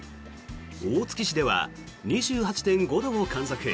大月市では２８．５度を観測。